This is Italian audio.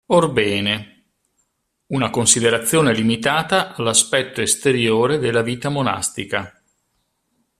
Orbene, una considerazione limitata all'aspetto esteriore della vita monastica.